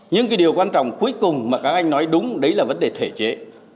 nhưng cái điều quan trọng cuối cùng mà các anh nói đúng đấy là vấn đề thể chế